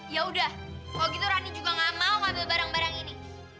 yaudah kalau gitu rani juga gak mau ambil barang barang ini